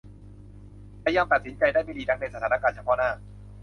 จะยังตัดสินใจได้ไม่ดีนักในสถานการณ์เฉพาะหน้า